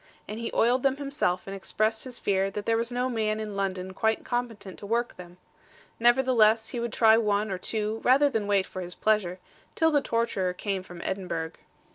And he oiled them himself, and expressed his fear that there was no man in London quite competent to work them. Nevertheless he would try one or two, rather than wait for his pleasure, till the torturer came from Edinburgh.